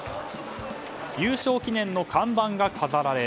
優勝記念の看板が飾られ。